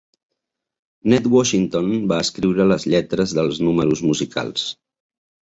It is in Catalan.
Ned Washington va escriure les lletres dels números musicals.